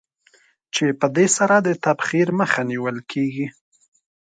چې په دې سره د تبخیر مخه نېول کېږي.